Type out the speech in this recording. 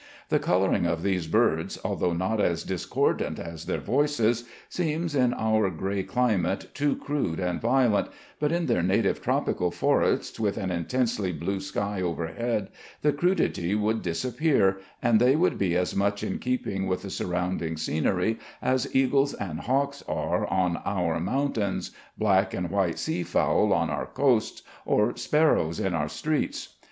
The coloring of these birds, although not as discordant as their voices, seems in our gray climate too crude and violent, but in their native tropical forests, with an intensely blue sky overhead, the crudity would disappear, and they would be as much in keeping with the surrounding scenery as eagles and hawks are on our mountains, black and white seafowl on our coasts, or sparrows in our streets.